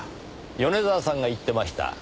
米沢さんが言っていました。